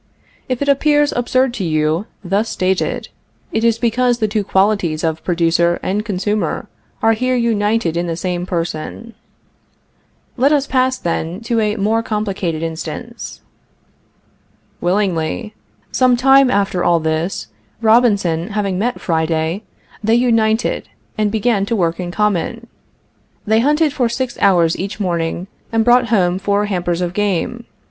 If it appears absurd to you, thus stated, it is because the two qualities of producer and consumer are here united in the same person. Let us pass, then, to a more complicated instance. Willingly. Some time after all this, Robinson having met Friday, they united, and began to work in common. They hunted for six hours each morning and brought home four hampers of game.